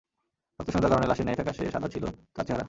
রক্তশূন্যতার কারণে লাশের ন্যায় ফ্যাকাশে সাদা ছিল তার চেহারা।